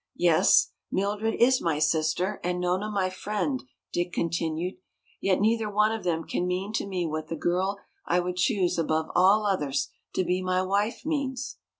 "Yes, Mildred is my sister and Nona my friend," Dick continued, "yet neither one of them can mean to me what the girl I would choose above all others to be my wife means.